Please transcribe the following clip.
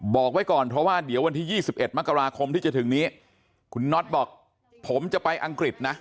บอกไว้ก่อนเพราะว่าเดี๋ยววันที่๒๑มกราคมที่จะถึงนี้คุณน็อตบอกผมจะไปอังกฤษนะ